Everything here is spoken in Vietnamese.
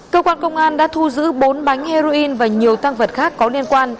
cơ quan công an đã thu giữ bốn bánh heroin và nhiều tăng vật khác có liên quan